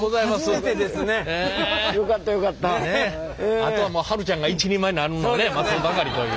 あとは春ちゃんが一人前になるのをね待つばかりという。